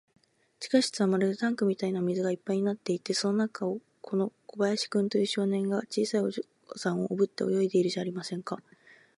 地下室はまるでタンクみたいに水がいっぱいになっていて、その中を、この小林君という少年が、小さいお嬢さんをおぶって泳いでいるじゃありませんか。